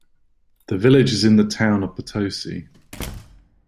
The village is in the Town of Potosi.